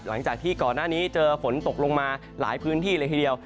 หลังจากที่ก่อนหน้านี้เจอฝนตกลงมาหลายพื้นที่เลยทีเดียว